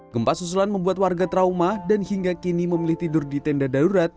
gempa susulan membuat warga trauma dan hingga kini memilih tidur di tenda darurat